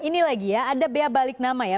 ini lagi ya ada bea balik nama ya